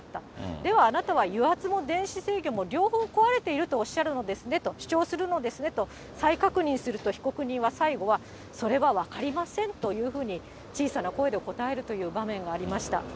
では、あなたは油圧も電子制御も、両方壊れているとおっしゃるのですねと、主張するのですねと、再確認すると、被告人は最後は、それは分かりませんというふうに、小さな声で答えるという場面がありました。